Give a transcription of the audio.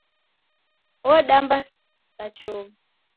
Wobanda sa chovu.